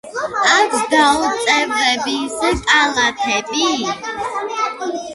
აქვს დაუნაწევრებელი კალთები.